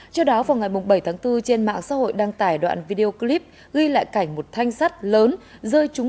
trước đó vào ngày bảy tháng bốn trên mạng xã hội đăng tải đoạn video clip ghi lại cảnh một thanh sắt lớn